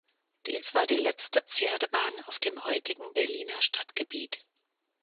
Dies war die letzte Pferdebahn auf dem heutigen Berliner Stadtgebiet.